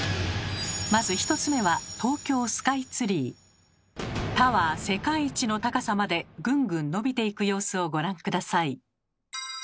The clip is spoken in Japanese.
まず１つ目はタワー世界一の高さまでぐんぐん伸びていく様子をご覧下さい。